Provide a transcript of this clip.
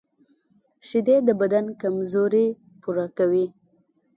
شیدې د بدن کمزوري پوره کوي